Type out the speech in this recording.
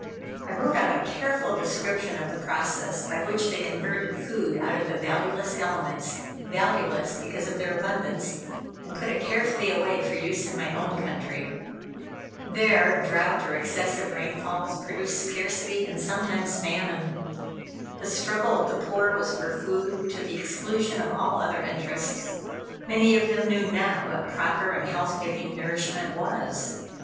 I wrote out a careful description of the processes by which they converted food out of the valueless elements valueless because of their abundance and put it carefully away for use in my own country. There drouth, or excessive rainfalls, produced scarcity, and sometimes famine. The struggle of the poor was for food, to the exclusion of all other interests. Many of them knew not what proper and health giving nourishment was.